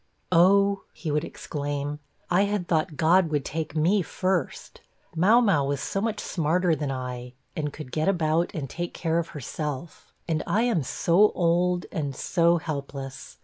'Oh,' he would exclaim, 'I had thought God would take me first, Mau mau was so much smarter than I, and could get about and take care of herself; and I am so old, and so helpless.